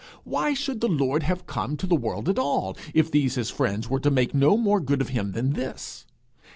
Why should the Lord have come to the world at all, if these his friends were to take no more good of him than this?